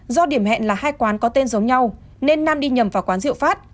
do điểm hẹn là hai quán có tên giống nhau nên nam đi nhầm vào quán rượu phát